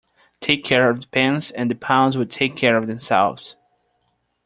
Take care of the pence and the pounds will take care of themselves.